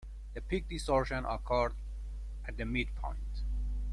The peak distortion occurs at the midpoint.